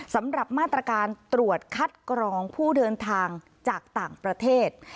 สำหรับมาตรการตรวจคัดกรองผู้เดินทางจากต่างประเทศ